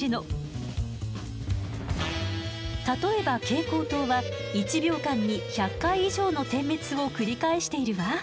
例えば蛍光灯は１秒間に１００回以上の点滅を繰り返しているわ。